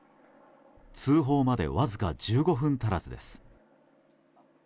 通報までわずか１５分足らずです。